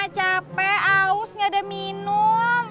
capek aus nggak ada minum